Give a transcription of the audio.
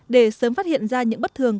để sớm phát hiện ra những bất thường